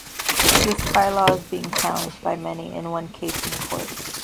This bylaw is being challenged by many, in one case in court.